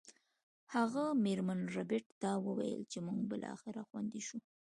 هغه میرمن ربیټ ته وویل چې موږ بالاخره خوندي شو